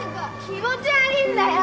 気持ち悪いんだよ